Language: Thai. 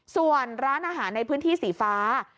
ส่วนร้านอาหารในพื้นที่สีฟ้า